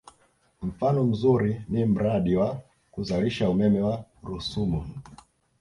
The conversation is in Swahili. Mfano mzuri ni mradi wa kuzalisha umeme wa Rusumo